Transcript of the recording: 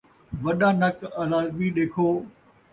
وݙا نک آلا وی ݙیکھو